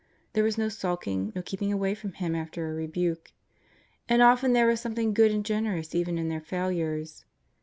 There was no sulking, no keeping away from Him after a rebuke. And often there was something good and generous even in their failures.